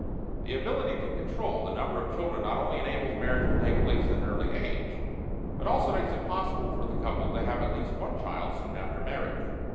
The ability to control the number of children not only enables marriage to take place at an early age, but also makes it possible for the couple to have at least one child soon after marriage.